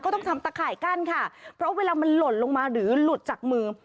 ต้องทำตะข่ายกั้นค่ะเพราะเวลามันหล่นลงมาหรือหลุดจากมือ